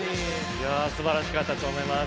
いや素晴らしかったと思います。